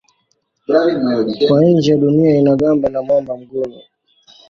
Kwa nje Dunia ina gamba la mwamba mgumu.